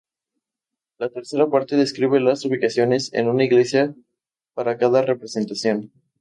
La tercera parte describe las ubicaciones en una iglesia para cada representación.